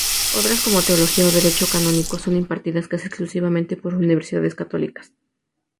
Otras como Teología o Derecho Canónico son impartidas casi exclusivamente por universidades católicas.